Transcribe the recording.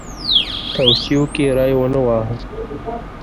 توصیو کې ری ونه واهه.